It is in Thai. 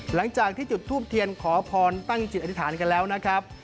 หลังจากที่จุดทูปเทียนขอพรตั้งจิตอธิษฐานกันแล้วนะครับ